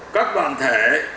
các bàn thể